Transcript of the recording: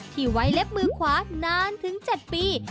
ที่ไว้เล็บมือขวานานถึง๗ปี